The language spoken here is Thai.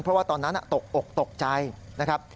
เพราะว่าตอนนั้นตกอกตกใจนะครับ